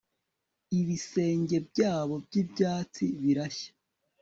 ibisenge byabo by'ibyatsi birashya